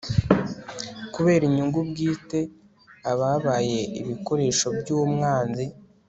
kubera inyungu bwite, ababaye ibikoresho by'umwanzi